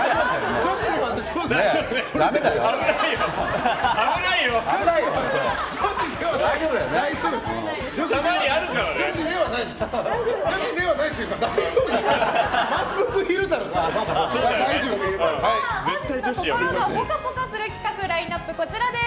女子ではないというか大丈夫です。